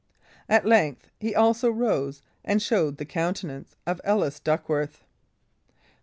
At length he, also, rose, and showed the countenance of Ellis Duckworth.